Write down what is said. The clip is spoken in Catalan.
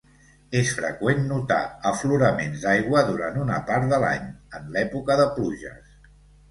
És freqüent notar afloraments d'aigua durant una part de l'any, en l'època de pluges.